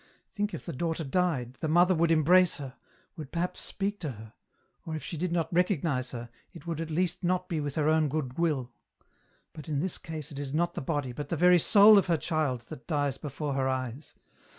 Think if the daughter died, the mother would embrace her, would perhaps speak to her, or if she did not recognize her, it would at least not be with her own good will ; but in this case it is not the body, but the very soul of her child that dies before her eyes.